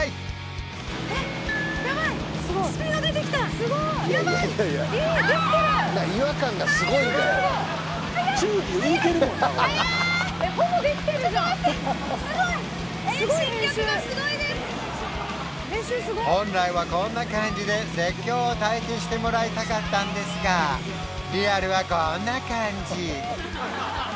速い速いちょっと待ってすごい本来はこんな感じで絶叫を体験してもらいたかったんですがリアルはこんな感じ